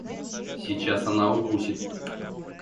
Сейчас она укусит.